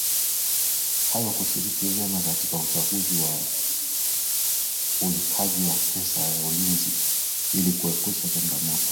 hayo kushiriki vyema katika uchangiaji wa ulipaji wa pesa ya ulinzi ili kuepuka changamoto